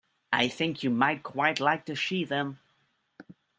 I think you might quite like to see them.